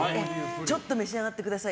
ちょっと召し上がってください。